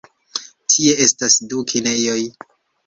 Tie estas du kinejoj.